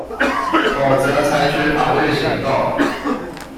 否則採取法律行動